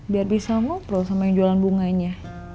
biar bisa ngobrol sama yang jualan bunganya